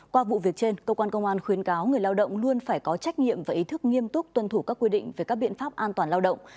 qua vụ việc trên cơ quan công an khuyến cáo người lao động luôn phải có trách nhiệm và ý thức nghiêm túc tuân thủ các quy định về các biện pháp an toàn lao động